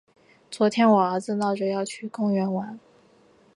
昨天我儿子闹着要去公园玩。